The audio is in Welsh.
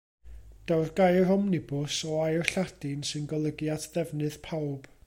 Daw'r gair Omnibws o air Lladin sy'n golygu at ddefnydd pawb.